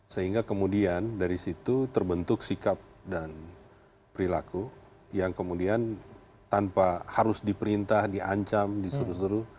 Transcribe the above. sehingga kemudian dari situ terbentuk sikap dan perilaku yang kemudian tanpa harus diperintah diancam disuruh suruh